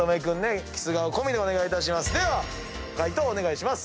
では解答お願いします。